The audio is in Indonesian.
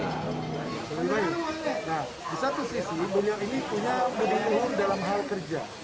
di satu sisi dunia ini punya pendidikan dalam hal kerja